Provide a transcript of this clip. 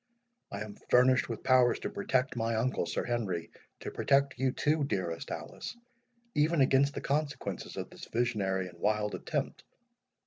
I am furnished with powers to protect my uncle, Sir Henry—to protect you too, dearest Alice, even against the consequences of this visionary and wild attempt.